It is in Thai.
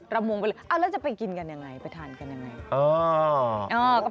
รำวงไปเลยแล้วจะไปกินกันอย่างไรไปทานกันอย่างไร